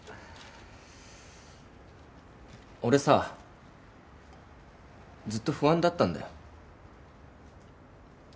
俺さずっと不安だったんだよ。